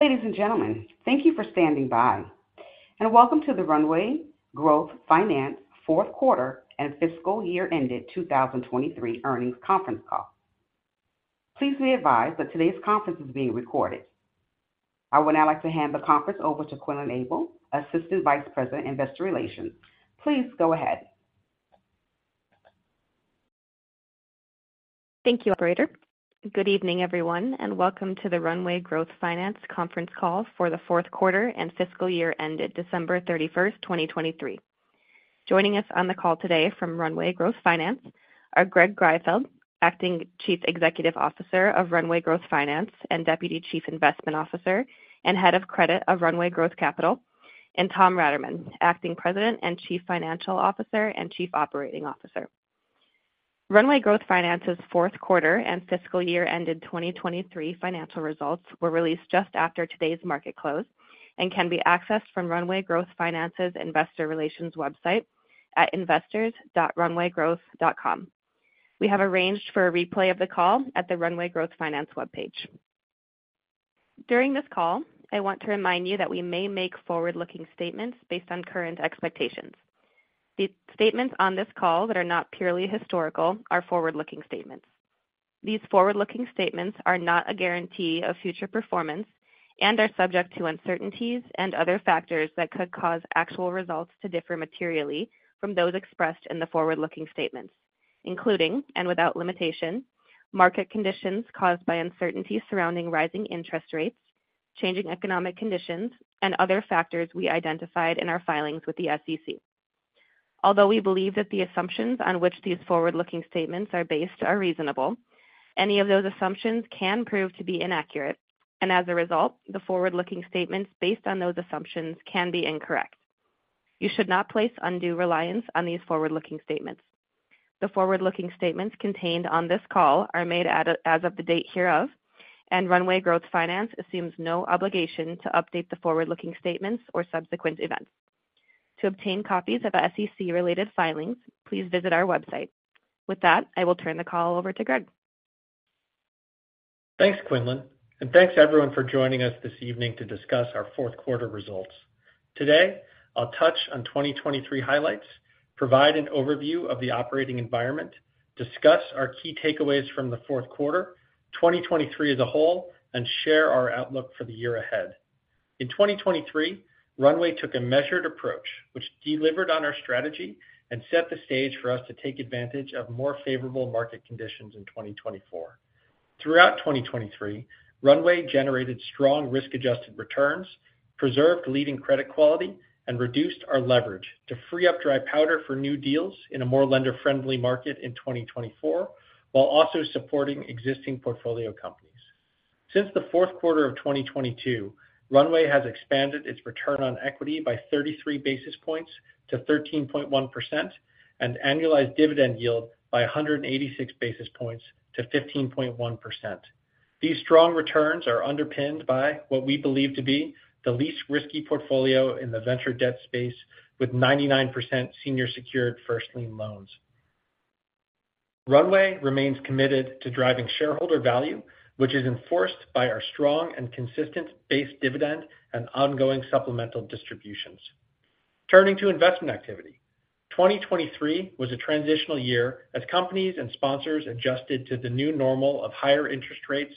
Ladies and gentlemen, thank you for standing by, and welcome to the Runway Growth Finance fourth quarter and fiscal year ended 2023 earnings conference call. Please be advised that today's conference is being recorded. I would now like to hand the conference over to Quinlan Abel, Assistant Vice President, Investor Relations. Please go ahead. Thank you, operator. Good evening, everyone, and welcome to the Runway Growth Finance conference call for the fourth quarter and fiscal year ended December 31, 2023. Joining us on the call today from Runway Growth Finance are Greg Greifeld, Acting Chief Executive Officer of Runway Growth Finance, and Deputy Chief Investment Officer and Head of Credit of Runway Growth Capital, and Tom Raterman, Acting President and Chief Financial Officer and Chief Operating Officer. Runway Growth Finance's fourth quarter and fiscal year ended 2023 financial results were released just after today's market close and can be accessed from Runway Growth Finance's Investor Relations website at investors.runwaygrowth.com. We have arranged for a replay of the call at the Runway Growth Finance webpage. During this call, I want to remind you that we may make forward-looking statements based on current expectations. The statements on this call that are not purely historical are forward-looking statements. These forward-looking statements are not a guarantee of future performance and are subject to uncertainties and other factors that could cause actual results to differ materially from those expressed in the forward-looking statements, including, and without limitation, market conditions caused by uncertainty surrounding rising interest rates, changing economic conditions, and other factors we identified in our filings with the SEC. Although we believe that the assumptions on which these forward-looking statements are based are reasonable, any of those assumptions can prove to be inaccurate, and as a result, the forward-looking statements based on those assumptions can be incorrect. You should not place undue reliance on these forward-looking statements. The forward-looking statements contained on this call are made as of the date hereof, and Runway Growth Finance assumes no obligation to update the forward-looking statements or subsequent events. To obtain copies of SEC-related filings, please visit our website. With that, I will turn the call over to Greg. Thanks, Quinlan, and thanks, everyone, for joining us this evening to discuss our fourth quarter results. Today, I'll touch on 2023 highlights, provide an overview of the operating environment, discuss our key takeaways from the fourth quarter, 2023 as a whole, and share our outlook for the year ahead. In 2023, Runway took a measured approach, which delivered on our strategy and set the stage for us to take advantage of more favorable market conditions in 2024. Throughout 2023, Runway generated strong risk-adjusted returns, preserved leading credit quality, and reduced our leverage to free up dry powder for new deals in a more lender-friendly market in 2024, while also supporting existing portfolio companies. Since the fourth quarter of 2022, Runway has expanded its return on equity by 33 basis points to 13.1% and annualized dividend yield by 186 basis points to 15.1%. These strong returns are underpinned by what we believe to be the least risky portfolio in the venture debt space, with 99% senior secured first lien loans. Runway remains committed to driving shareholder value, which is enforced by our strong and consistent base dividend and ongoing supplemental distributions. Turning to investment activity. 2023 was a transitional year as companies and sponsors adjusted to the new normal of higher interest rates,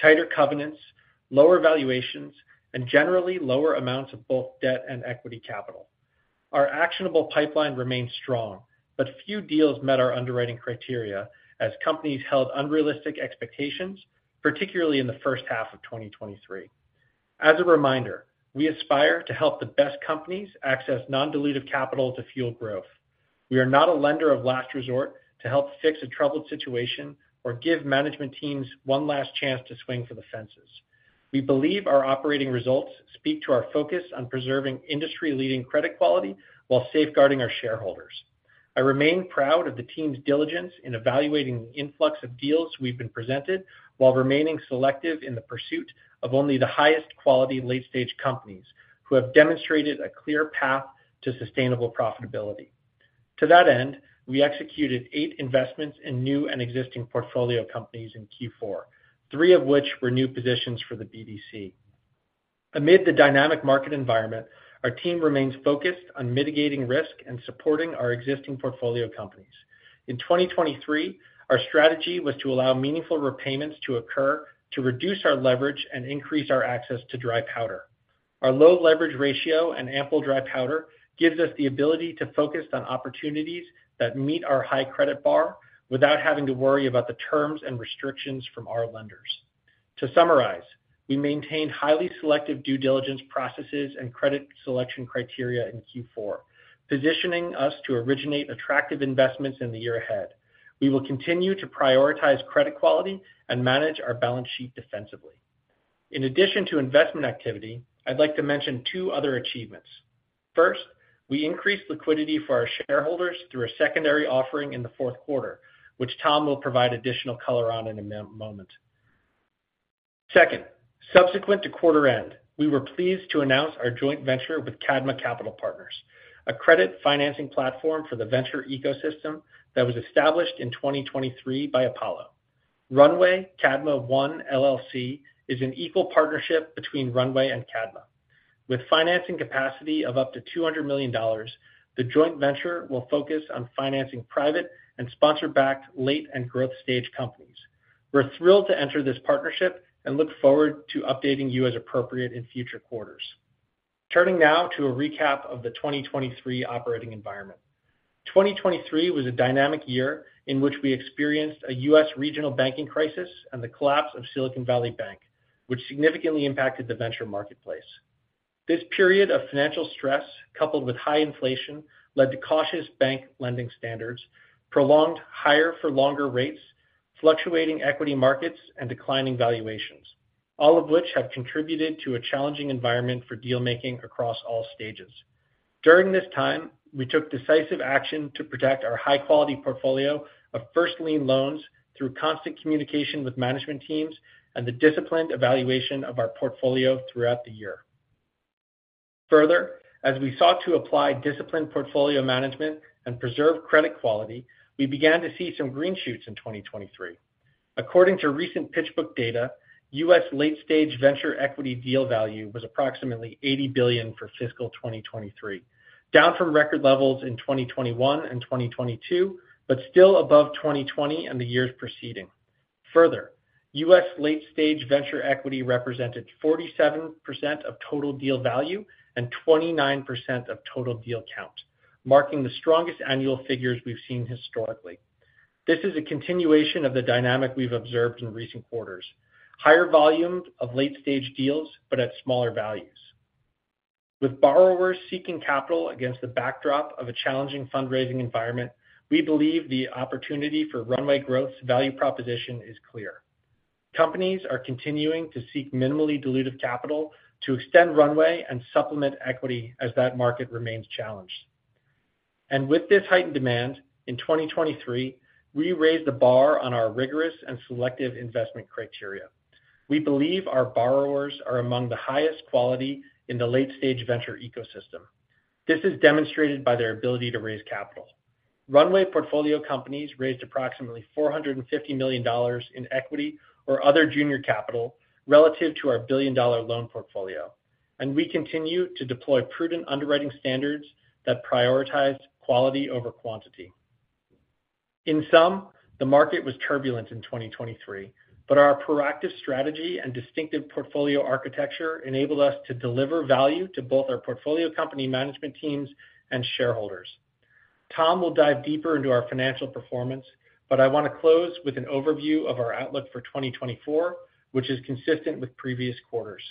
tighter covenants, lower valuations, and generally lower amounts of both debt and equity capital. Our actionable pipeline remains strong, but few deals met our underwriting criteria as companies held unrealistic expectations, particularly in the first half of 2023. As a reminder, we aspire to help the best companies access non-dilutive capital to fuel growth. We are not a lender of last resort to help fix a troubled situation or give management teams one last chance to swing for the fences. We believe our operating results speak to our focus on preserving industry-leading credit quality while safeguarding our shareholders. I remain proud of the team's diligence in evaluating the influx of deals we've been presented, while remaining selective in the pursuit of only the highest quality late-stage companies who have demonstrated a clear path to sustainable profitability. To that end, we executed eight investments in new and existing portfolio companies in Q4, three of which were new positions for the BDC. Amid the dynamic market environment, our team remains focused on mitigating risk and supporting our existing portfolio companies. In 2023, our strategy was to allow meaningful repayments to occur to reduce our leverage and increase our access to dry powder. Our low leverage ratio and ample dry powder gives us the ability to focus on opportunities that meet our high credit bar without having to worry about the terms and restrictions from our lenders. To summarize, we maintain highly selective due diligence processes and credit selection criteria in Q4, positioning us to originate attractive investments in the year ahead. We will continue to prioritize credit quality and manage our balance sheet defensively. In addition to investment activity, I'd like to mention two other achievements. First, we increased liquidity for our shareholders through a secondary offering in the fourth quarter, which Tom will provide additional color on in a moment. Second, subsequent to quarter end, we were pleased to announce our joint venture with Cadma Capital Partners, a credit financing platform for the venture ecosystem that was established in 2023 by Apollo. Runway Cadma One LLC is an equal partnership between Runway and Cadma. With financing capacity of up to $200 million, the joint venture will focus on financing private and sponsor-backed late and growth stage companies. We're thrilled to enter this partnership and look forward to updating you as appropriate in future quarters. Turning now to a recap of the 2023 operating environment. 2023 was a dynamic year in which we experienced a U.S. regional banking crisis and the collapse of Silicon Valley Bank, which significantly impacted the venture marketplace. This period of financial stress, coupled with high inflation, led to cautious bank lending standards, prolonged higher for longer rates, fluctuating equity markets, and declining valuations, all of which have contributed to a challenging environment for deal-making across all stages. During this time, we took decisive action to protect our high-quality portfolio of first lien loans through constant communication with management teams and the disciplined evaluation of our portfolio throughout the year. Further, as we sought to apply disciplined portfolio management and preserve credit quality, we began to see some green shoots in 2023. According to recent PitchBook data, U.S. late stage venture equity deal value was approximately $80 billion for fiscal 2023, down from record levels in 2021 and 2022, but still above 2020 and the years preceding. Further, US late stage venture equity represented 47% of total deal value and 29% of total deal count, marking the strongest annual figures we've seen historically. This is a continuation of the dynamic we've observed in recent quarters: higher volumes of late stage deals, but at smaller values. With borrowers seeking capital against the backdrop of a challenging fundraising environment, we believe the opportunity for Runway Growth's value proposition is clear. Companies are continuing to seek minimally dilutive capital to extend runway and supplement equity as that market remains challenged. And with this heightened demand, in 2023, we raised the bar on our rigorous and selective investment criteria. We believe our borrowers are among the highest quality in the late stage venture ecosystem. This is demonstrated by their ability to raise capital. Runway portfolio companies raised approximately $450 million in equity or other junior capital relative to our billion-dollar loan portfolio, and we continue to deploy prudent underwriting standards that prioritize quality over quantity. In sum, the market was turbulent in 2023, but our proactive strategy and distinctive portfolio architecture enabled us to deliver value to both our portfolio company management teams and shareholders. Tom will dive deeper into our financial performance, but I want to close with an overview of our outlook for 2024, which is consistent with previous quarters.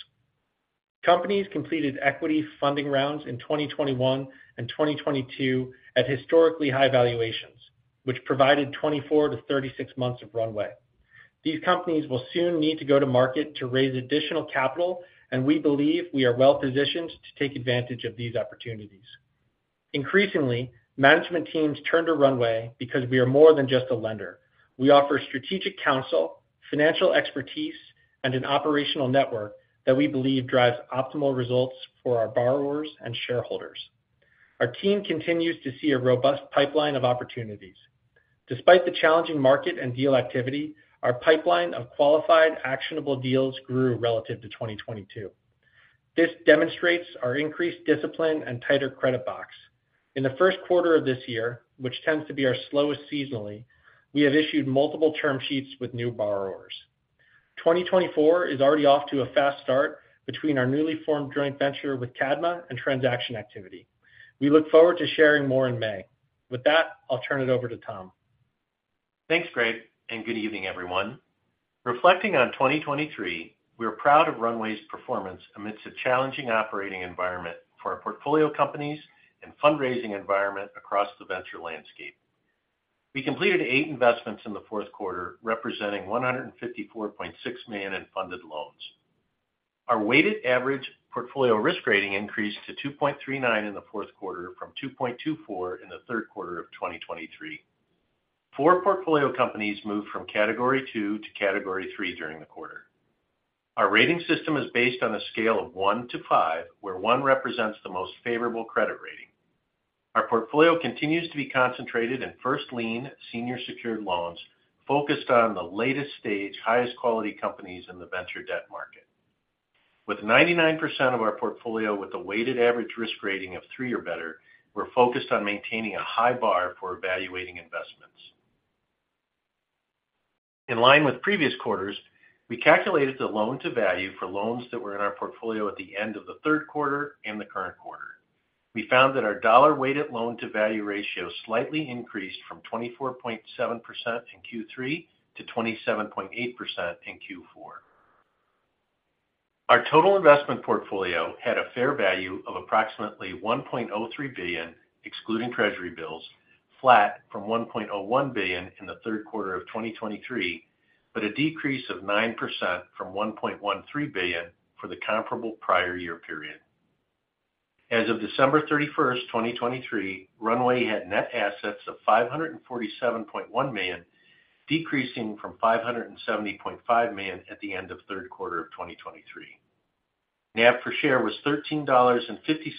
Companies completed equity funding rounds in 2021 and 2022 at historically high valuations, which provided 24-36 months of runway. These companies will soon need to go to market to raise additional capital, and we believe we are well positioned to take advantage of these opportunities. Increasingly, management teams turn to Runway because we are more than just a lender. We offer strategic counsel, financial expertise, and an operational network that we believe drives optimal results for our borrowers and shareholders. Our team continues to see a robust pipeline of opportunities. Despite the challenging market and deal activity, our pipeline of qualified, actionable deals grew relative to 2022. This demonstrates our increased discipline and tighter credit box. In the first quarter of this year, which tends to be our slowest seasonally, we have issued multiple term sheets with new borrowers. 2024 is already off to a fast start between our newly formed joint venture with Cadma and transaction activity. We look forward to sharing more in May. With that, I'll turn it over to Tom. Thanks, Greg, and good evening, everyone. Reflecting on 2023, we're proud of Runway's performance amidst a challenging operating environment for our portfolio companies and fundraising environment across the venture landscape. We completed 8 investments in the fourth quarter, representing $154.6 million in funded loans. Our weighted average portfolio risk rating increased to 2.39 in the fourth quarter from 2.24 in the third quarter of 2023. 4 portfolio companies moved from Category Two to Category Three during the quarter. Our rating system is based on a scale of 1 to 5, where 1 represents the most favorable credit rating. Our portfolio continues to be concentrated in first lien senior secured loans, focused on the latest stage, highest quality companies in the venture debt market. With 99% of our portfolio with a weighted average risk rating of three or better, we're focused on maintaining a high bar for evaluating investments. In line with previous quarters, we calculated the loan-to-value for loans that were in our portfolio at the end of the third quarter and the current quarter. We found that our dollar-weighted loan-to-value ratio slightly increased from 24.7% in Q3 to 27.8% in Q4. Our total investment portfolio had a fair value of approximately $1.03 billion, excluding Treasury bills, flat from $1.01 billion in the third quarter of 2023, but a decrease of 9% from $1.13 billion for the comparable prior year period. As of December 31, 2023, Runway had net assets of $547.1 million, decreasing from $570.5 million at the end of the third quarter of 2023. NAV per share was $13.50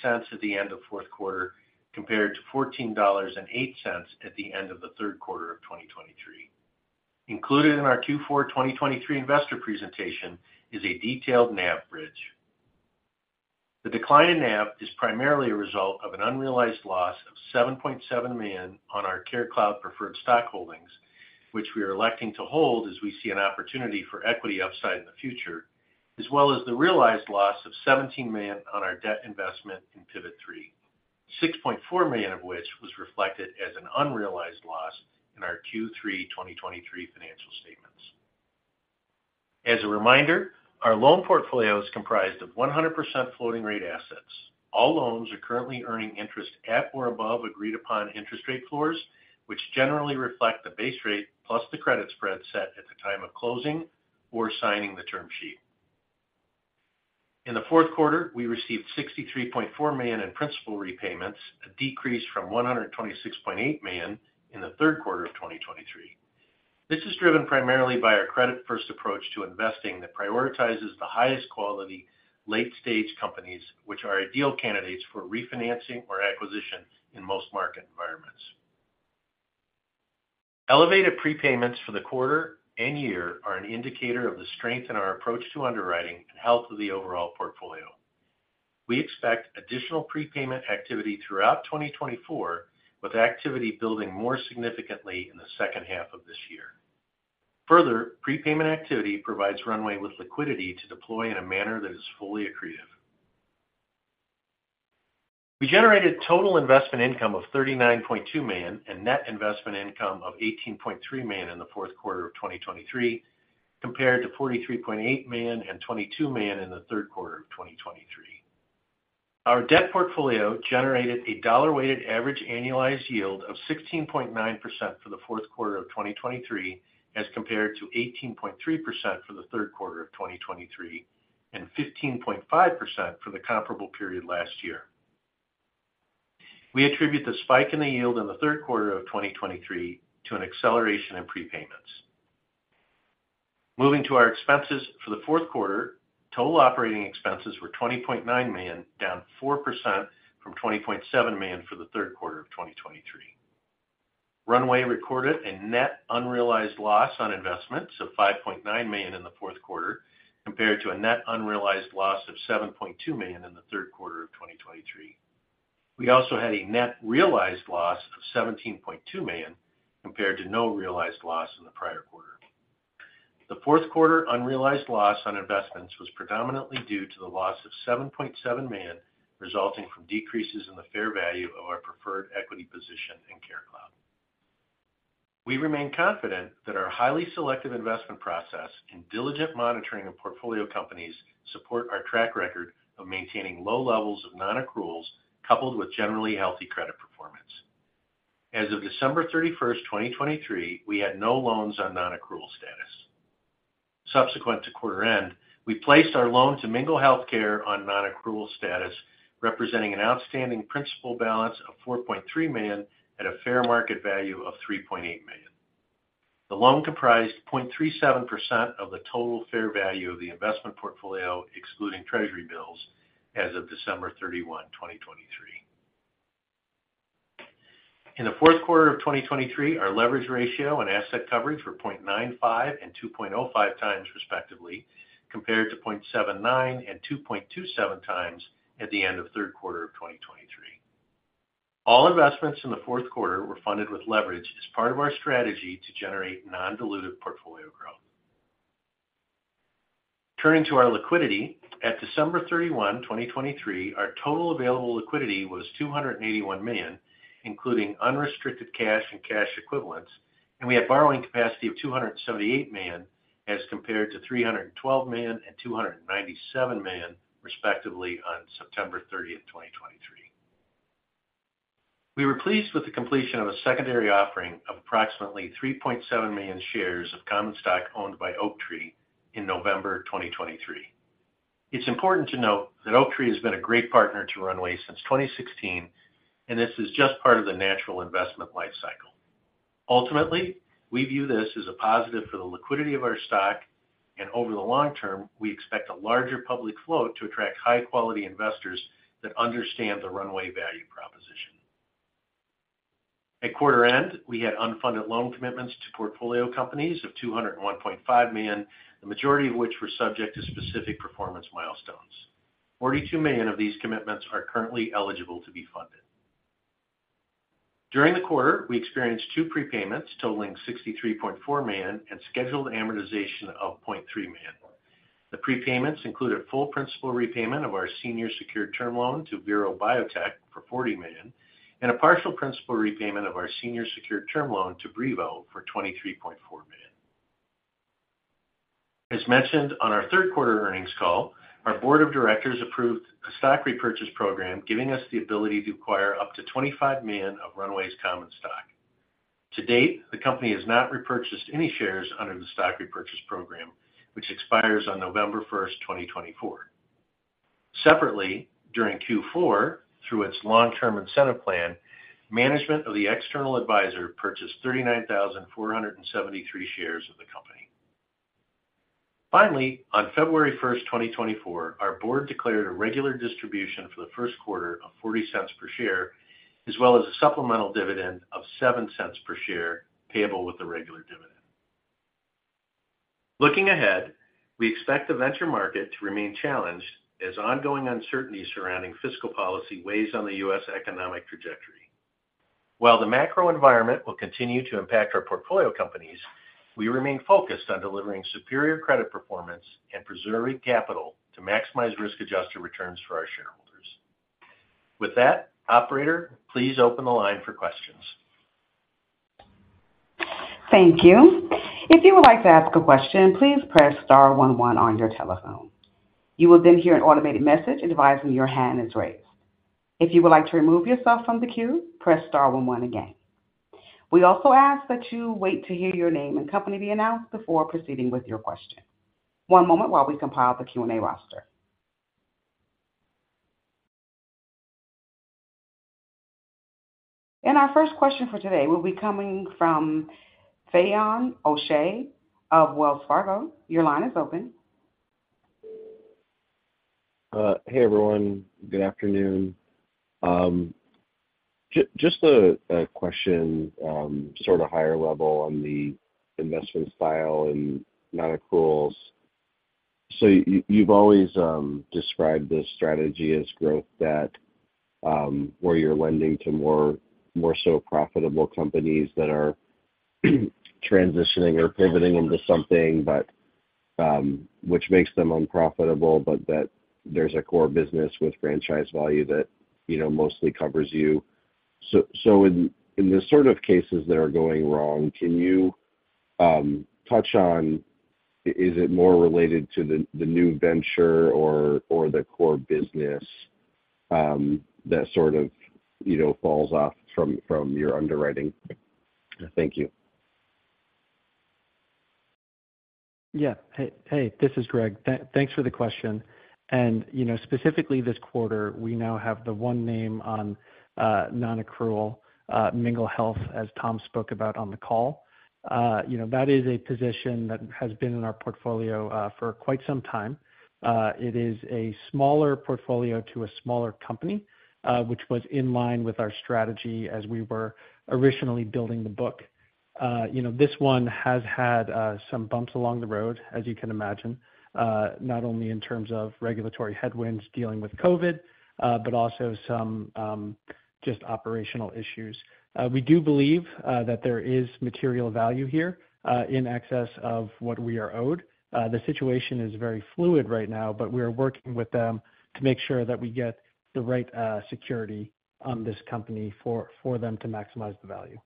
at the end of the fourth quarter, compared to $14.08 at the end of the third quarter of 2023.... Included in our Q4 2023 investor presentation is a detailed NAV bridge. The decline in NAV is primarily a result of an unrealized loss of $7.7 million on our CareCloud preferred stock holdings, which we are electing to hold as we see an opportunity for equity upside in the future, as well as the realized loss of $17 million on our debt investment in Pivot3, $6.4 million of which was reflected as an unrealized loss in our Q3 2023 financial statements. As a reminder, our loan portfolio is comprised of 100% floating rate assets. All loans are currently earning interest at or above agreed-upon interest rate floors, which generally reflect the base rate plus the credit spread set at the time of closing or signing the term sheet. In the fourth quarter, we received $63.4 million in principal repayments, a decrease from $126.8 million in the third quarter of 2023. This is driven primarily by our credit-first approach to investing that prioritizes the highest quality, late-stage companies, which are ideal candidates for refinancing or acquisition in most market environments. Elevated prepayments for the quarter and year are an indicator of the strength in our approach to underwriting and health of the overall portfolio. We expect additional prepayment activity throughout 2024, with activity building more significantly in the second half of this year. Further, prepayment activity provides Runway with liquidity to deploy in a manner that is fully accretive. We generated total investment income of $39.2 million and net investment income of $18.3 million in the fourth quarter of 2023, compared to $43.8 million and $22 million in the third quarter of 2023. Our debt portfolio generated a dollar-weighted average annualized yield of 16.9% for the fourth quarter of 2023, as compared to 18.3% for the third quarter of 2023, and 15.5% for the comparable period last year. We attribute the spike in the yield in the third quarter of 2023 to an acceleration in prepayments. Moving to our expenses for the fourth quarter, total operating expenses were $20.9 million, down 4% from $20.7 million for the third quarter of 2023. Runway recorded a net unrealized loss on investments of $5.9 million in the fourth quarter, compared to a net unrealized loss of $7.2 million in the third quarter of 2023. We also had a net realized loss of $17.2 million, compared to no realized loss in the prior quarter. The fourth quarter unrealized loss on investments was predominantly due to the loss of $7.7 million, resulting from decreases in the fair value of our preferred equity position in CareCloud. We remain confident that our highly selective investment process and diligent monitoring of portfolio companies support our track record of maintaining low levels of nonaccruals, coupled with generally healthy credit performance. As of December 31, 2023, we had no loans on nonaccrual status. Subsequent to quarter end, we placed our loan to Mingle Healthcare on nonaccrual status, representing an outstanding principal balance of $4.3 million at a fair market value of $3.8 million. The loan comprised 0.37% of the total fair value of the investment portfolio, excluding treasury bills, as of December 31, 2023. In the fourth quarter of 2023, our leverage ratio and asset coverage were 0.95 and 2.5x, respectively, compared to 0.79 and 2.27x at the end of third quarter of 2023. All investments in the fourth quarter were funded with leverage as part of our strategy to generate non-dilutive portfolio growth. Turning to our liquidity, at December 31, 2023, our total available liquidity was $281 million, including unrestricted cash and cash equivalents, and we had borrowing capacity of $278 million, as compared to $312 million and $297 million, respectively, on September 30, 2023. We were pleased with the completion of a secondary offering of approximately 3.7 million shares of common stock owned by Oaktree in November 2023. It's important to note that Oaktree has been a great partner to Runway since 2016, and this is just part of the natural investment life cycle. Ultimately, we view this as a positive for the liquidity of our stock, and over the long term, we expect a larger public float to attract high-quality investors that understand the Runway value proposition. At quarter end, we had unfunded loan commitments to portfolio companies of $201.5 million, the majority of which were subject to specific performance milestones. $42 million of these commitments are currently eligible to be funded. During the quarter, we experienced two prepayments totaling $63.4 million and scheduled amortization of $0.3 million. The prepayments include a full principal repayment of our senior secured term loan to Vero Biotech for $40 million, and a partial principal repayment of our senior secured term loan to Brivo for $23.4 million. As mentioned on our third quarter earnings call, our board of directors approved a stock repurchase program, giving us the ability to acquire up to $25 million of Runway's common stock. To date, the company has not repurchased any shares under the stock repurchase program, which expires on November 1, 2024. Separately, during Q4, through its long-term incentive plan, management of the external advisor purchased 39,473 shares of common- ...Finally, on February 1, 2024, our board declared a regular distribution for the first quarter of $0.40 per share, as well as a supplemental dividend of $0.07 per share, payable with the regular dividend. Looking ahead, we expect the venture market to remain challenged as ongoing uncertainty surrounding fiscal policy weighs on the U.S. economic trajectory. While the macro environment will continue to impact our portfolio companies, we remain focused on delivering superior credit performance and preserving capital to maximize risk-adjusted returns for our shareholders. With that, operator, please open the line for questions. Thank you. If you would like to ask a question, please press star one one on your telephone. You will then hear an automated message advising your hand is raised. If you would like to remove yourself from the queue, press star one one again. We also ask that you wait to hear your name and company be announced before proceeding with your question. One moment while we compile the Q&A roster. Our first question for today will be coming from Finian O'Shea of Wells Fargo. Your line is open. Hey, everyone. Good afternoon. Just a question, sort of higher level on the investment style and nonaccruals. So you, you've always described this strategy as growth debt, where you're lending to more so profitable companies that are transitioning or pivoting into something, but which makes them unprofitable, but that there's a core business with franchise value that, you know, mostly covers you. So in the sort of cases that are going wrong, can you touch on, is it more related to the new venture or the core business that sort of, you know, falls off from your underwriting? Thank you. Yeah. Hey, hey, this is Greg. Thanks for the question. You know, specifically this quarter, we now have the one name on nonaccrual, Mingle Healthcare, as Tom spoke about on the call. You know, that is a position that has been in our portfolio for quite some time. It is a smaller portfolio to a smaller company, which was in line with our strategy as we were originally building the book. You know, this one has had some bumps along the road, as you can imagine, not only in terms of regulatory headwinds dealing with COVID, but also some just operational issues. We do believe that there is material value here in excess of what we are owed. The situation is very fluid right now, but we are working with them to make sure that we get the right security on this company for them to maximize the value.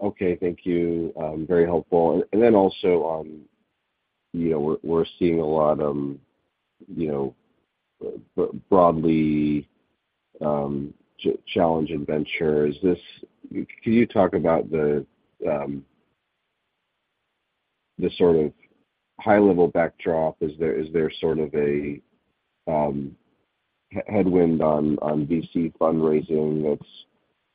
Okay. Thank you. Very helpful. And then also, you know, we're seeing a lot of, you know, broadly challenges in venture. Is this? Can you talk about the sort of high-level backdrop? Is there sort of a headwind on VC fundraising that's,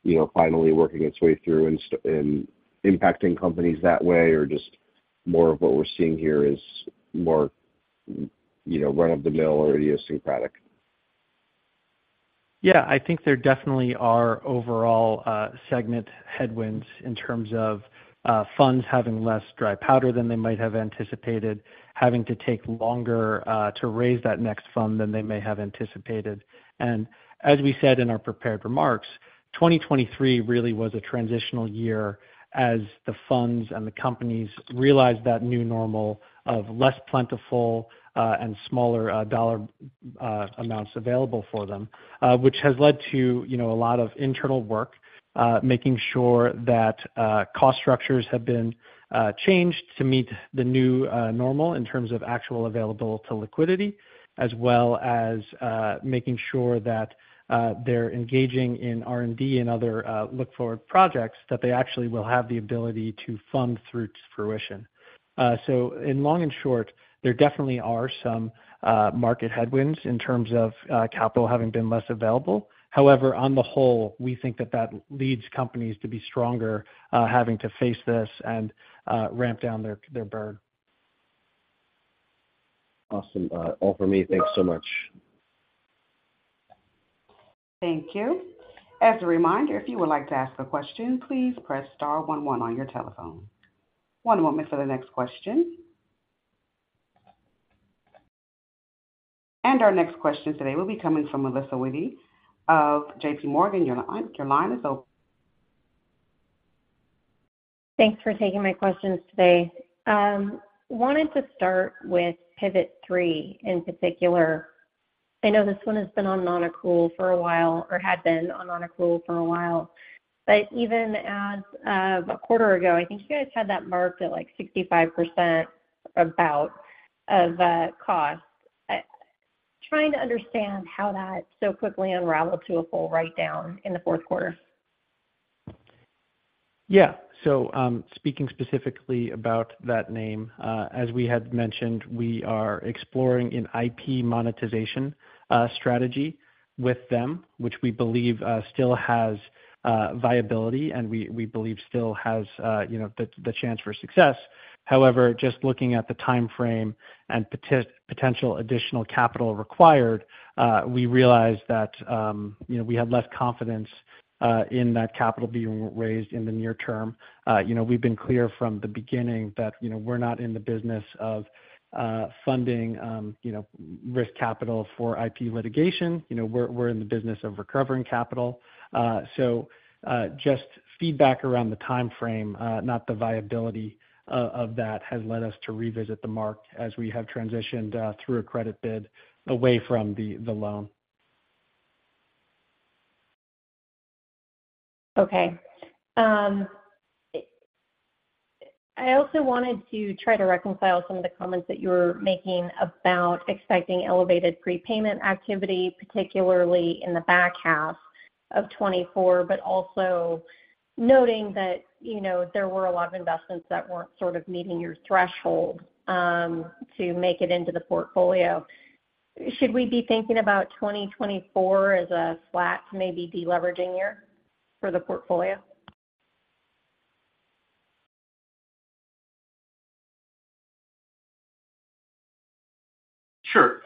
you know, finally working its way through and impacting companies that way, or just more of what we're seeing here is more, you know, run-of-the-mill or idiosyncratic? Yeah, I think there definitely are overall, segment headwinds in terms of, funds having less dry powder than they might have anticipated, having to take longer, to raise that next fund than they may have anticipated. And as we said in our prepared remarks, 2023 really was a transitional year as the funds and the companies realized that new normal of less plentiful, and smaller dollar amounts available for them. Which has led to, you know, a lot of internal work, making sure that, cost structures have been, changed to meet the new, normal in terms of actual available to liquidity, as well as, making sure that, they're engaging in R&D and other, look-forward projects that they actually will have the ability to fund through to fruition. So in long and short, there definitely are some market headwinds in terms of capital having been less available. However, on the whole, we think that that leads companies to be stronger, having to face this and ramp down their burn. Awesome. All for me. Thanks so much. Thank you. As a reminder, if you would like to ask a question, please press star one one on your telephone. One moment for the next question. Our next question today will be coming from Melissa Wedel of JP Morgan. Your line, your line is open. Thanks for taking my questions today. Wanted to start with Pivot3 in particular. I know this one has been on non-accrual for a while, or had been on non-accrual for a while. But even as of a quarter ago, I think you guys had that marked at, like, 65% about, of cost. Trying to understand how that so quickly unraveled to a full write-down in the fourth quarter?... Yeah. So, speaking specifically about that name, as we had mentioned, we are exploring an IP monetization, strategy with them, which we believe, still has, viability and we believe still has, you know, the chance for success. However, just looking at the time frame and potential additional capital required, we realized that, you know, we had less confidence, in that capital being raised in the near term. You know, we've been clear from the beginning that, you know, we're not in the business of, funding, you know, risk capital for IP litigation. You know, we're in the business of recovering capital. So, just feedback around the time frame, not the viability, of that has led us to revisit the mark as we have transitioned through a credit bid away from the loan. Okay. I also wanted to try to reconcile some of the comments that you were making about expecting elevated prepayment activity, particularly in the back half of 2024, but also noting that, you know, there were a lot of investments that weren't sort of meeting your threshold to make it into the portfolio. Should we be thinking about 2024 as a flat, maybe de-leveraging year for the portfolio? Sure.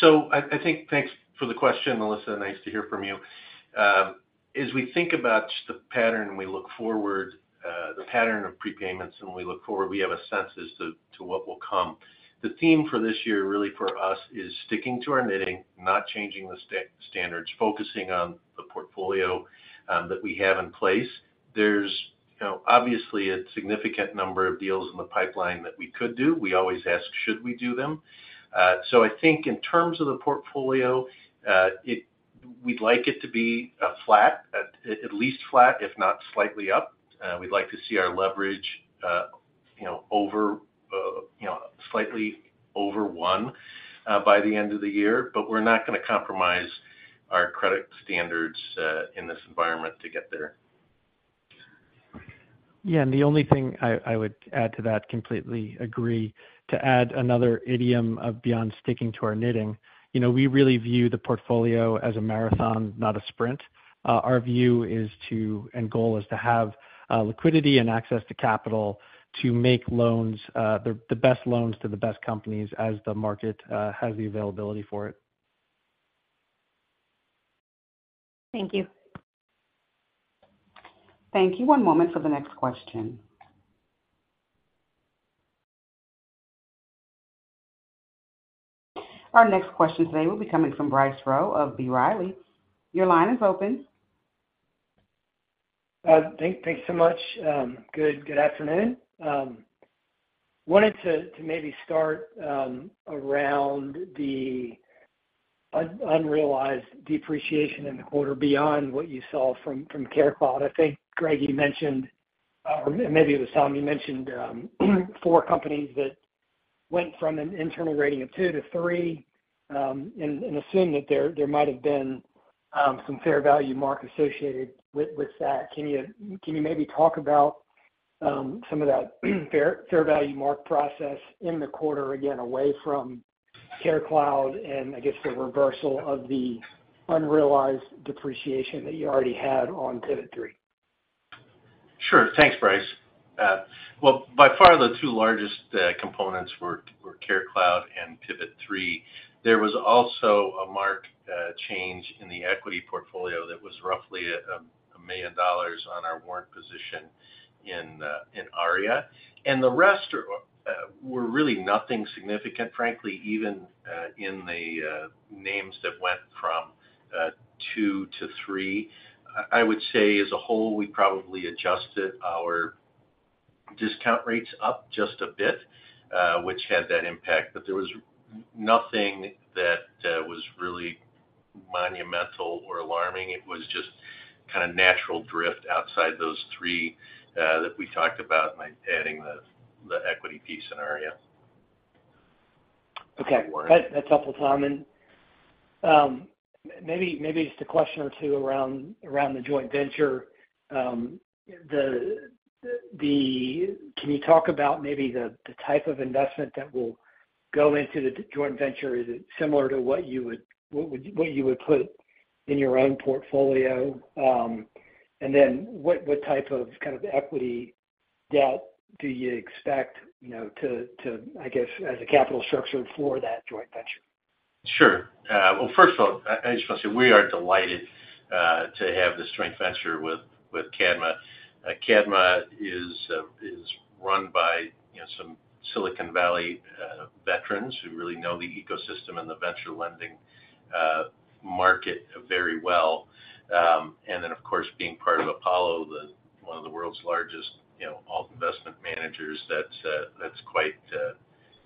So I think thanks for the question, Melissa. Nice to hear from you. As we think about the pattern, we look forward, the pattern of prepayments, and when we look forward, we have a sense as to what will come. The theme for this year, really for us, is sticking to our knitting, not changing the standards, focusing on the portfolio that we have in place. There's, you know, obviously a significant number of deals in the pipeline that we could do. We always ask, "Should we do them?" So I think in terms of the portfolio, we'd like it to be flat, at least flat, if not slightly up. We'd like to see our leverage, you know, over, you know, slightly over one by the end of the year. But we're not gonna compromise our credit standards in this environment to get there. Yeah, and the only thing I would add to that, completely agree. To add another idiom of beyond sticking to our knitting, you know, we really view the portfolio as a marathon, not a sprint. Our view is to, and goal is to have, liquidity and access to capital to make loans, the best loans to the best companies as the market has the availability for it. Thank you. Thank you. One moment for the next question. Our next question today will be coming from Bryce Rowe of B. Riley. Your line is open. Thanks so much. Good afternoon. Wanted to maybe start around the unrealized depreciation in the quarter beyond what you saw from CareCloud. I think, Greg, you mentioned or maybe it was Tom, you mentioned four companies that went from an internal rating of two to three, and assume that there might have been some fair value mark associated with that. Can you maybe talk about some of that fair value mark process in the quarter, again, away from CareCloud, and I guess, the reversal of the unrealized depreciation that you already had on Pivot3? Sure. Thanks, Bryce. Well, by far, the two largest components were CareCloud and Pivot3. There was also a mark change in the equity portfolio that was roughly a million dollars on our warrant position in Aria. And the rest were really nothing significant, frankly, even in the names that went from two to three. I would say as a whole, we probably adjusted our discount rates up just a bit, which had that impact. But there was nothing that was really monumental or alarming. It was just kind of natural drift outside those three that we talked about by adding the equity piece in Aria. Okay. That's, that's helpful, Tom. And, maybe, maybe just a question or two around, around the joint venture. Can you talk about maybe the, the type of investment that will go into the joint venture? Is it similar to what you would, what would, what you would put in your own portfolio? And then what, what type of kind of equity debt do you expect, you know, to, to, I guess, as a capital structure for that joint venture? Sure. Well, first of all, I just want to say we are delighted to have this joint venture with Cadma. Cadma is run by, you know, some Silicon Valley veterans who really know the ecosystem and the venture lending market very well. And then, of course, being part of Apollo, the one of the world's largest, you know, alt investment managers, that's quite, you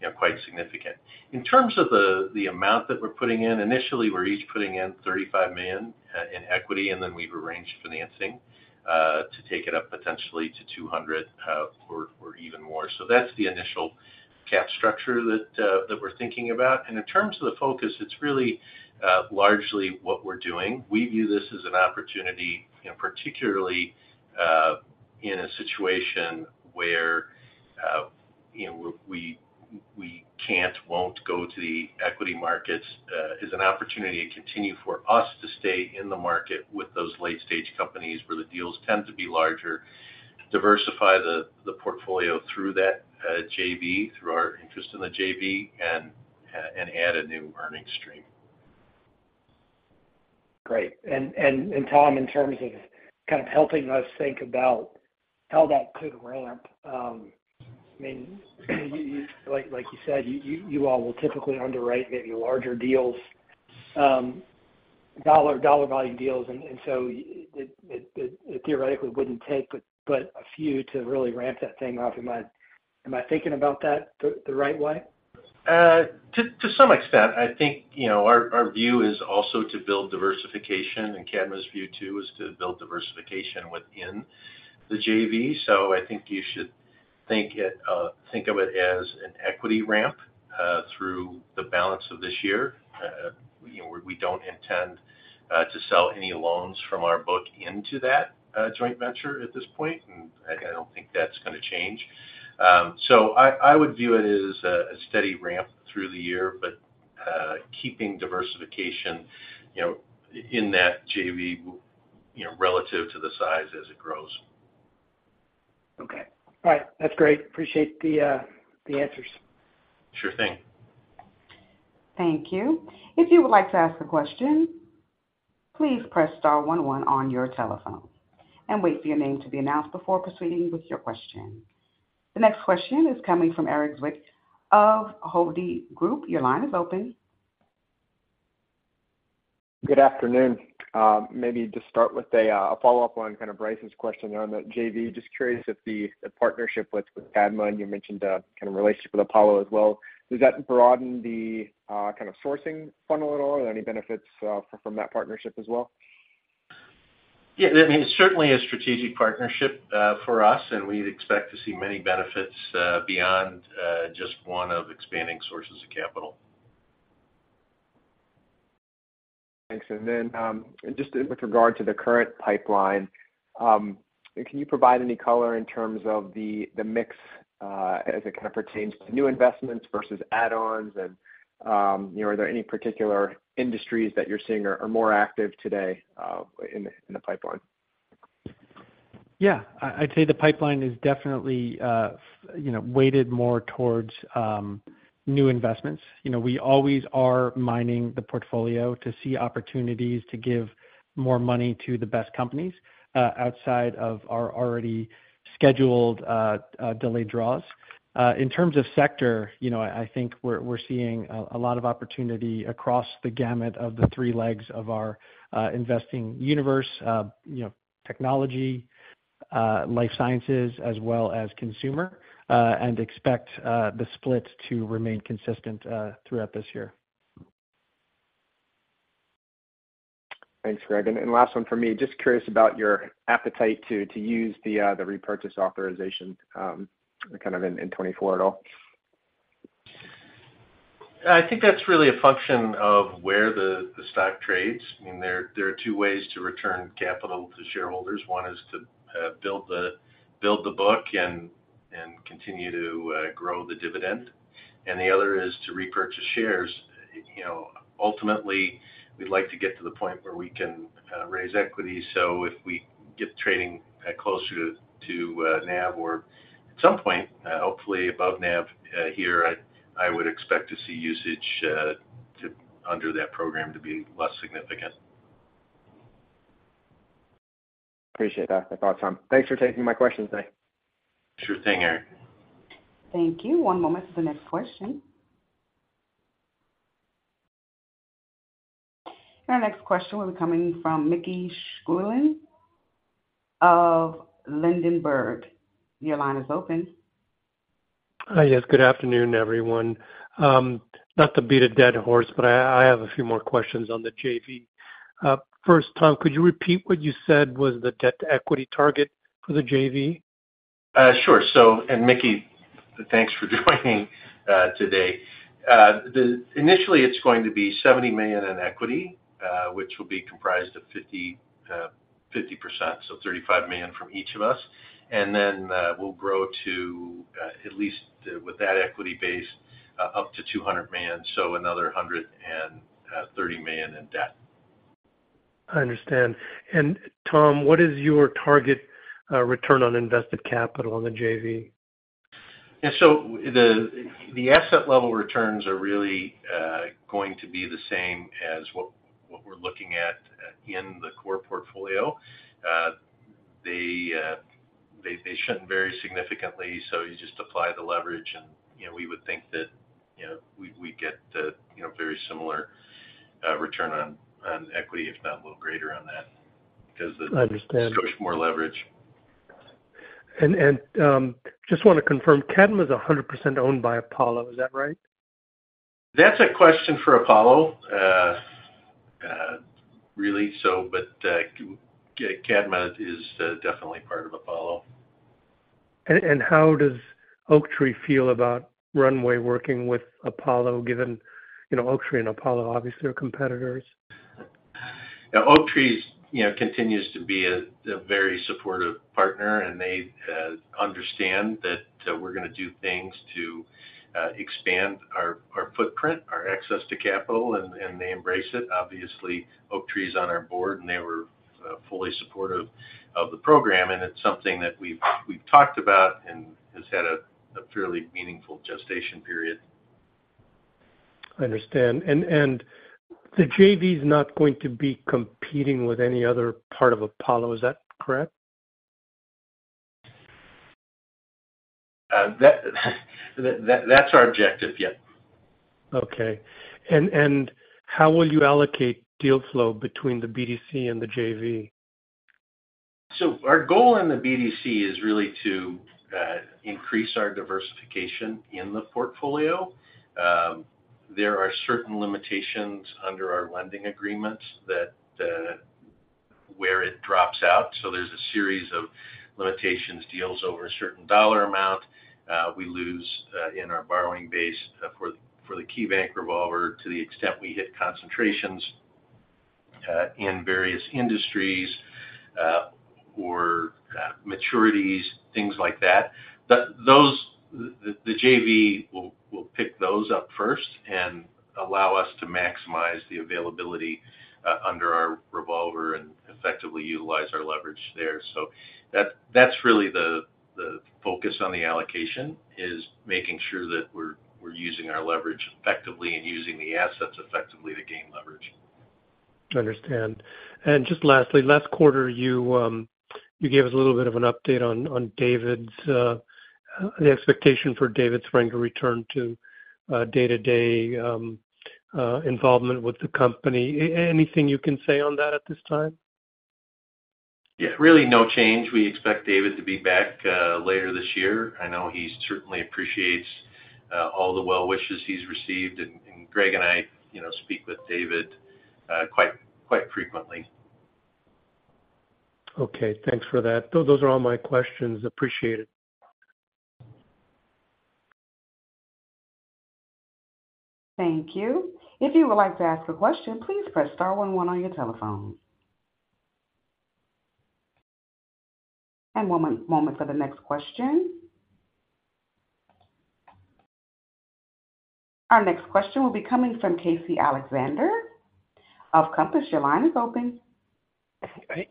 know, quite significant. In terms of the amount that we're putting in, initially, we're each putting in $35 million in equity, and then we've arranged financing to take it up potentially to $200 million or even more. So that's the initial capital structure that we're thinking about. In terms of the focus, it's really largely what we're doing. We view this as an opportunity, you know, particularly, in a situation where you know, we can't, won't go to the equity markets, is an opportunity to continue for us to stay in the market with those late-stage companies where the deals tend to be larger, diversify the portfolio through that JV, through our interest in the JV, and add a new earning stream. Great. And Tom, in terms of kind of helping us think about how that could ramp, I mean, you-- like, like you said, you all will typically underwrite maybe larger deals, dollar volume deals, and so it theoretically wouldn't take but a few to really ramp that thing up. Am I thinking about that the right way? To some extent. I think, you know, our view is also to build diversification, and Cadma's view, too, is to build diversification within the JV. So I think you should think of it as an equity ramp through the balance of this year. You know, we don't intend to sell any loans from our book into that joint venture at this point, and I don't think that's gonna change. So I would view it as a steady ramp through the year, but keeping diversification, you know, in that JV, you know, relative to the size as it grows. Okay. All right. That's great. Appreciate the answers. Sure thing. Thank you. If you would like to ask a question, please press star one one on your telephone and wait for your name to be announced before proceeding with your question. The next question is coming from Erik Zwick of Hovde Group. Your line is open. Good afternoon. Maybe just start with a follow-up on kind of Bryce's question on the JV. Just curious if the partnership with Cadma, and you mentioned kind of relationship with Apollo as well, does that broaden the kind of sourcing funnel at all? Are there any benefits from that partnership as well? Yeah, I mean, it's certainly a strategic partnership for us, and we'd expect to see many benefits beyond just one of expanding sources of capital. Thanks. And then, just with regard to the current pipeline, can you provide any color in terms of the, the mix, as it kind of pertains to new investments versus add-ons? And, you know, are there any particular industries that you're seeing are, are more active today, in the, in the pipeline? Yeah. I'd say the pipeline is definitely, you know, weighted more towards new investments. You know, we always are mining the portfolio to see opportunities to give more money to the best companies, outside of our already scheduled delayed draws. In terms of sector, you know, I think we're seeing a lot of opportunity across the gamut of the three legs of our investing universe, you know, technology, life sciences, as well as consumer, and expect the split to remain consistent throughout this year. Thanks, Greg. And last one for me. Just curious about your appetite to use the repurchase authorization kind of in 2024 at all. I think that's really a function of where the stock trades. I mean, there are two ways to return capital to shareholders. One is to build the book and continue to grow the dividend, and the other is to repurchase shares. You know, ultimately, we'd like to get to the point where we can raise equity. So if we get trading closer to NAV or at some point hopefully above NAV here, I would expect to see usage under that program to be less significant. Appreciate that, the thoughts, Tom. Thanks for taking my questions today. Sure thing, Eric. Thank you. One moment for the next question. Our next question will be coming from Mickey Schleien of Ladenburg Thalmann. Your line is open. Hi. Yes, good afternoon, everyone. Not to beat a dead horse, but I, I have a few more questions on the JV. First, Tom, could you repeat what you said was the debt-to-equity target for the JV? Sure. So, and Mickey, thanks for joining today. The initially, it's going to be $70 million in equity, which will be comprised of 50, 50%, so $35 million from each of us. And then, we'll grow to, at least with that equity base, up to $200 million, so another $130 million in debt. I understand. And Tom, what is your target return on invested capital on the JV? Yeah, so the asset level returns are really going to be the same as what we're looking at in the core portfolio. They shouldn't vary significantly, so you just apply the leverage, and you know, we would think that you know, we get the you know, very similar return on equity, if not a little greater on that because the- I understand. There's more leverage. Just want to confirm, Cadma is 100% owned by Apollo. Is that right? That's a question for Apollo, really. But, Cadma is definitely part of Apollo. And how does Oaktree feel about Runway working with Apollo, given, you know, Oaktree and Apollo obviously are competitors?... Now, Oaktree's, you know, continues to be a very supportive partner, and they understand that we're gonna do things to expand our footprint, our access to capital, and they embrace it. Obviously, Oaktree's on our board, and they were fully supportive of the program, and it's something that we've talked about and has had a fairly meaningful gestation period. I understand. And, the JV is not going to be competing with any other part of Apollo, is that correct? That's our objective, yep. Okay. And, how will you allocate deal flow between the BDC and the JV? So our goal in the BDC is really to increase our diversification in the portfolio. There are certain limitations under our lending agreements that where it drops out, so there's a series of limitations deals over a certain dollar amount. We lose in our borrowing base for the KeyBank revolver, to the extent we hit concentrations in various industries or maturities, things like that. But those, the JV will pick those up first and allow us to maximize the availability under our revolver and effectively utilize our leverage there. So that's really the focus on the allocation, is making sure that we're using our leverage effectively and using the assets effectively to gain leverage. I understand. And just lastly, last quarter, you gave us a little bit of an update on David's, the expectation for David Spreng to return to day-to-day involvement with the company. Anything you can say on that at this time? Yeah, really no change. We expect David to be back later this year. I know he certainly appreciates all the well wishes he's received, and, and Greg and I, you know, speak with David quite, quite frequently. Okay. Thanks for that. Those are all my questions. Appreciate it. Thank you. If you would like to ask a question, please press star one one on your telephone. One moment for the next question. Our next question will be coming from Casey Alexander of Compass. Your line is open.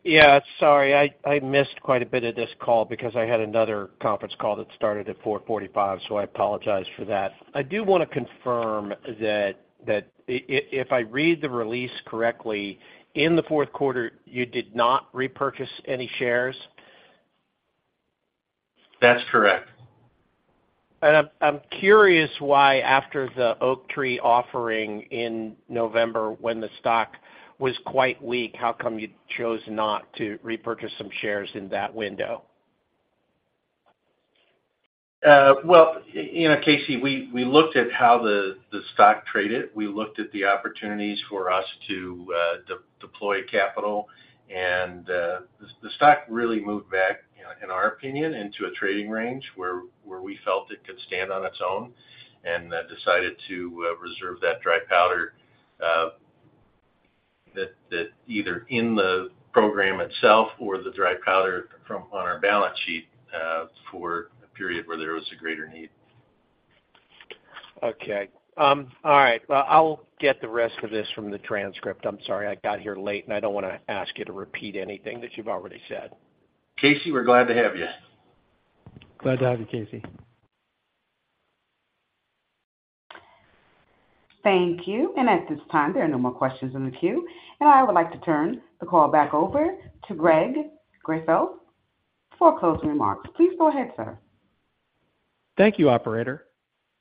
Yeah, sorry, I missed quite a bit of this call because I had another conference call that started at 4:45, so I apologize for that. I do wanna confirm that if I read the release correctly, in the fourth quarter, you did not repurchase any shares? That's correct. I'm curious why, after the Oaktree offering in November, when the stock was quite weak, how come you chose not to repurchase some shares in that window? Well, you know, Casey, we looked at how the stock traded. We looked at the opportunities for us to deploy capital, and the stock really moved back, you know, in our opinion, into a trading range where we felt it could stand on its own, and decided to reserve that dry powder, that either in the program itself or the dry powder from on our balance sheet, for a period where there was a greater need. Okay. All right. Well, I'll get the rest of this from the transcript. I'm sorry, I got here late, and I don't wanna ask you to repeat anything that you've already said. Casey, we're glad to have you. Glad to have you, Casey. Thank you. At this time, there are no more questions in the queue, and I would like to turn the call back over to Greg Greifeld for closing remarks. Please go ahead, sir. Thank you, operator.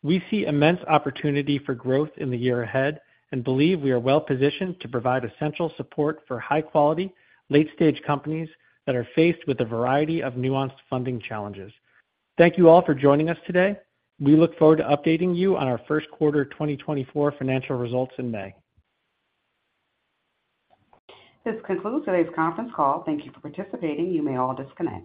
We see immense opportunity for growth in the year ahead and believe we are well positioned to provide essential support for high quality, late stage companies that are faced with a variety of nuanced funding challenges. Thank you all for joining us today. We look forward to updating you on our first quarter 2024 financial results in May. This concludes today's conference call. Thank you for participating. You may all disconnect.